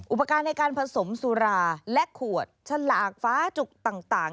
อุปกรณ์ในการผสมสุราและขวดฉลากฟ้าจุกต่าง